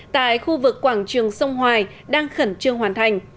tại khu vực quảng trường sông hoài đang khẩn trương hoàn thành